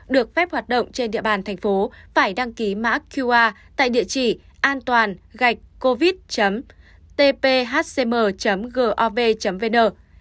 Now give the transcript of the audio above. được phép hoạt động trên địa bàn tp hcm phải đăng ký mã qr tại địa chỉ antoan covid tphcm gov vn